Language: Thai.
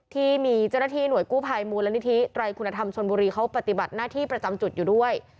ที่มีเจ้าหน้าที่หน่วยกู้ภัยมูลนิธิไตรคุณธรรมชนบุรีเขาปฏิบัติหน้าที่ประจำจุดอยู่ด้วย